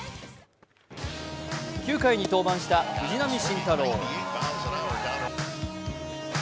９回に登板した藤浪晋太郎。